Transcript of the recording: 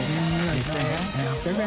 ２０００円？